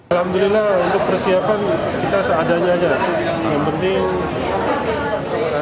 alhamdulillah untuk persiapan kita seadanya saja